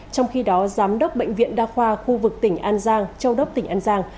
trong khi đó giám đốc bệnh viện đa khoa khu vực tỉnh an giang châu đốc tỉnh an giang